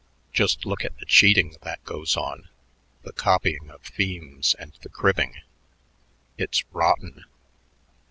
Just look at the cheating that goes on, the copying of themes, and the cribbing. It's rotten!"